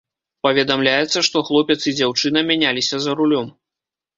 Паведамляецца, што хлопец і дзяўчына мяняліся за рулём.